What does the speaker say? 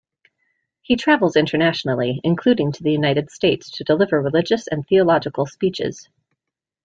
He travels internationally, including to the United States to deliver religious and theological speeches.